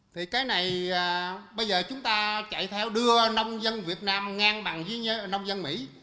thì cái này bây giờ chúng ta chạy theo đưa nông dân việt nam ngang bằng với nông dân mỹ